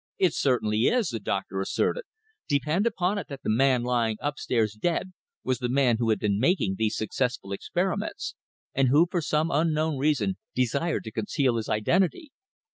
"It certainly is," the doctor asserted. "Depend upon it that the man lying upstairs dead was the man who has been making these successful experiments, and who for some unknown reason desired to conceal his identity.